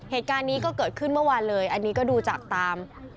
เหตุการณ์นี้ก็เกิดขึ้นเมื่อวานเลยอันนี้ก็ดูจากตาม